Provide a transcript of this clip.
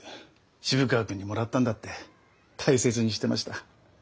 渋川君にもらったんだって大切にしてました。